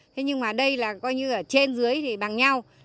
thế nhưng mà đây là coi như ở trên dưới thì bằng nhau